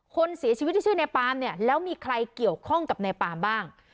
คนเสียชีวิตที่ชื่อในปามเนี่ยแล้วมีใครเกี่ยวข้องกับนายปามบ้าง